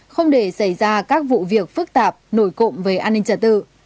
không để xảy ra các vụ việc phức tạp nổi cộng về an ninh trật tự